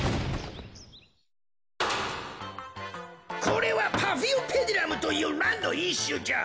これはパフィオペディラムというランのいっしゅじゃ。